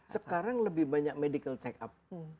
sekarang lebih banyak medical check up